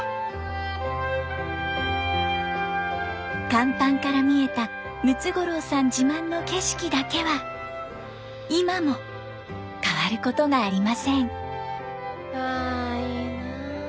甲板から見えたムツゴロウさん自慢の景色だけは今も変わることがありません。